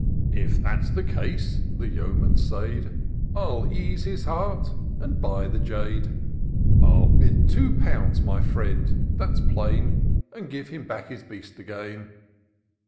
" If that's the case," the Yeoman said, —" I'll ease his heart, and buy the jade. I'll bid two pounds, my friend, that's plain, And give him back his beast again."